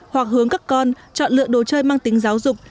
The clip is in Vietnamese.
hoặc hướng các con chọn lựa đồ chơi mang tính giáo dục